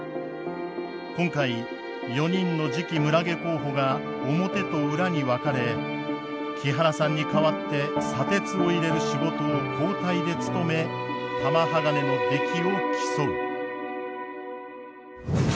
今回４人の次期村下候補が表と裏に分かれ木原さんに代わって砂鉄を入れる仕事を交代で務め玉鋼の出来を競う。